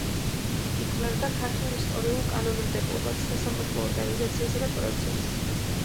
იკვლევდა ქართულ ისტორიულ კანონმდებლობას, სასამართლო ორგანიზაციასა და პროცესს.